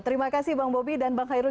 terima kasih bang bobi dan bang khairul